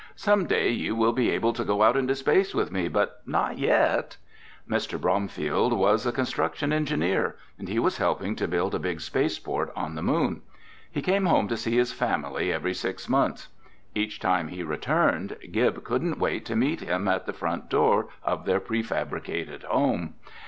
"Some day you will be able to go out into space with me, but not yet." Mr. Bromfield was a construction engineer, and he was helping to build a big spaceport on the Moon. He came home to see his family every six months. Each time he returned, Gib couldn't wait to meet him at the front door of their prefabricated home.